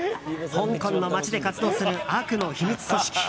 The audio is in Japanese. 香港の街で活動する悪の秘密組織。